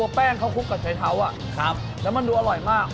แป้งเขาคลุกกับใช้เท้าแล้วมันดูอร่อยมาก